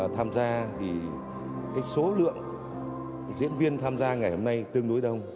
tham gia thì số lượng diễn viên tham gia ngày hôm nay tương đối đông